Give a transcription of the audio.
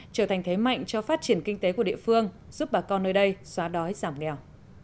trở thành thế mạnh cho phát triển kinh tế của địa phương giúp bà con nơi đây xóa đói giảm nghèo